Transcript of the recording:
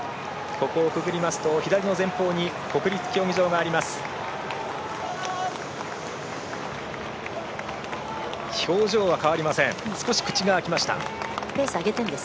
ここをくぐりますと左の前方に国立競技場があります。